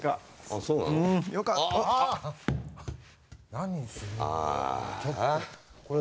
何するんだよ。